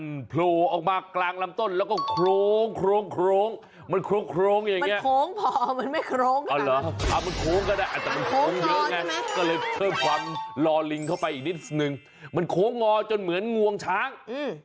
นี่เอาเรามาเทียบให้ดูกับช้าง